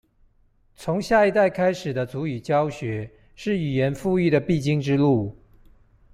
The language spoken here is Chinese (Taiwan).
從下一代開始的族語教學，是語言復育的必經之路